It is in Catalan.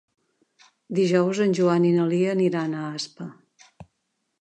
Dijous en Joan i na Lia aniran a Aspa.